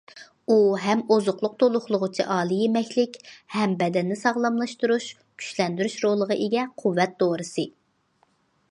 ئۇ ھەم ئوزۇقلۇق تولۇقلىغۇچى ئالىي يېمەكلىك، ھەم بەدەننى ساغلاملاشتۇرۇش، كۈچلەندۈرۈش رولىغا ئىگە قۇۋۋەت دورىسى.